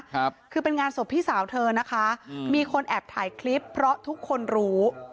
ครับคือเป็นงานศพพี่สาวเธอนะคะอืมมีคนแอบถ่ายคลิปเพราะทุกคนรู้